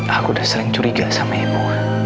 aku udah sering curiga sama ibu